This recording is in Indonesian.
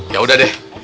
ya udah deh